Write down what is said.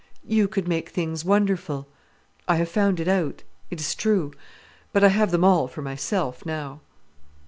You could make things wonderful. I have found it out—it is true. But I have them all for myself, now."